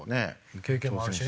経験もあるしね。